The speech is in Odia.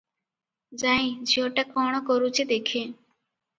ଯାଏଁ ଝିଅଟା କ’ଣ କରୁଛି ଦେଖେଁ ।